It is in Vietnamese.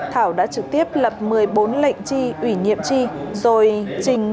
thảo đã trực tiếp lập một mươi bốn lệnh chi ủy nhiệm chi